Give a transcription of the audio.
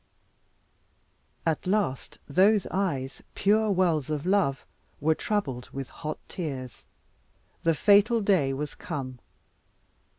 At last those eyes, pure wells of love, were troubled with hot tears. The fatal day was come.